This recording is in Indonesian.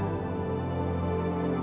akhirnya non lila datang juga